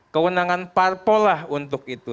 kewenangan parpol lah untuk itu